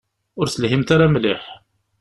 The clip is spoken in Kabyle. Ur telhimt ara mliḥ.